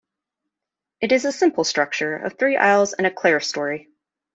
It is a simple structure of three aisles and a clerestory.